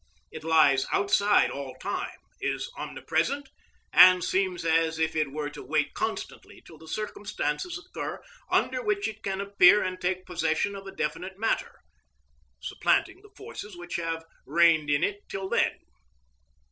It lies outside all time, is omnipresent, and seems as it were to wait constantly till the circumstances occur under which it can appear and take possession of a definite matter, supplanting the forces which have reigned in it till then.